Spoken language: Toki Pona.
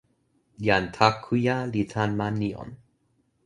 jan Takuja li tan ma Nijon.